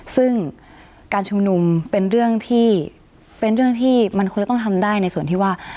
ซึ่งการชุมนุมเป็นเรื่องที่มันควรจะต้องทำได้ในส่วนที่ว่า